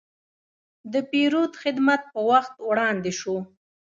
د پیرود خدمت په وخت وړاندې شو.